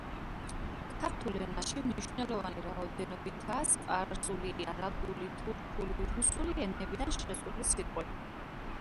ქართულ ენაში მნიშვნელოვანი რაოდენობითაა სპარსული, არაბული, თურქული, რუსული ენებიდან შესული სიტყვები.